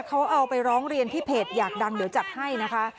เขาเอาไปร้องเรียนที่เพจอยากดังเดี๋ยวจัดให้นะคะ